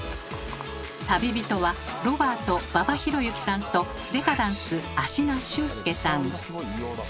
旅人はロバート馬場裕之さんとデカダンス芦名秀介さん。